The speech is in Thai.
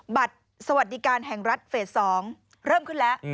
บัตรสวัสดิการแห่งรัฐเฟส๒เริ่มขึ้นแล้ว